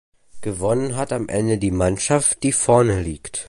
Gewonnen hat am Ende die Mannschaft, die vorne liegt.